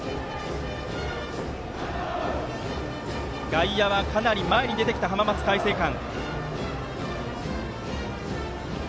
外野はかなり前に出てきている浜松開誠館。